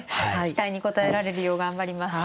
期待に応えられるよう頑張ります。